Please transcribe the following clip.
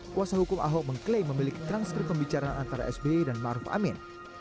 kuasa hukum ahok mengklaim memiliki transkrim pembicaraan antara sbe dan maruf amin